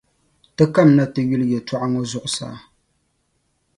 Ti kamina ti yuli yɛltɔɣa ŋɔ zuɣusaa.